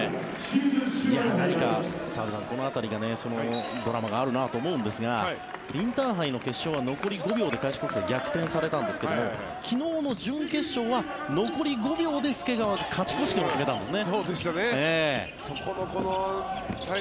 何か澤部さん、この辺りがドラマがあるなと思うんですがインターハイの決勝は残り５秒で開志国際、逆転されたんですが昨日の準決勝は残り５秒で介川が勝ち越し点を決めたんですね。